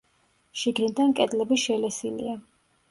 შიგნიდან კედლები შელესილია.